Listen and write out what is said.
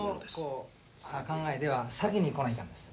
考えでは先に来ないかんです。